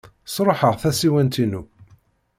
Sṛuḥeɣ tasiwant-inu.